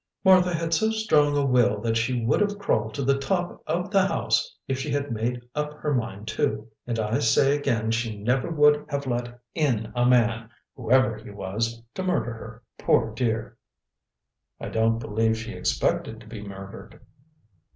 "Martha had so strong a will that she would have crawled to the top of the house if she had made up her mind to. And I say again she never would have let in a man whoever he was to murder her, poor dear!" "I don't believe she expected to be murdered."